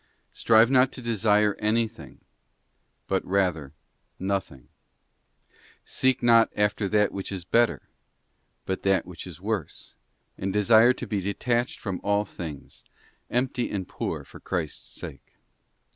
Strive not to desire anything, but rather nothing. 4. Fear, Seek not after that which is better, but that which is worse, and desire to be detached from all things, empty and poor for Christ's sake.